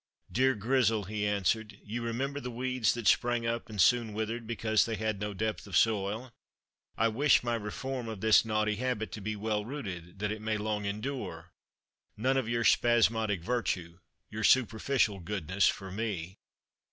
"Dear Grizzle," he answered, "you remember the weeds that sprang up and soon withered because they had no depth of soil. I wish my reform of this naughty habit to be well rooted, that it may long endure. None of your spasmodic virtue, your superficial goodness, for me!